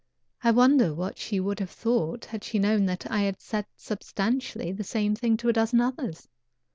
I wonder what she would have thought had she known that I had said substantially the same thing to a dozen others.